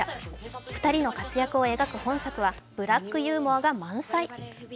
２人の活躍を描く本作はブラックユーモアが満載。